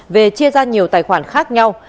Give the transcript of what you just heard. về chia ra nhiều tài khoản khác nhau